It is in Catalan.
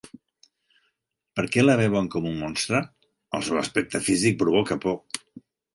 Per què la veuen com un monstre? El seu aspecte físic provoca por.